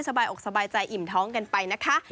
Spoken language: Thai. สบายอกสบายใจอิ่มท้องกันไปนะคะ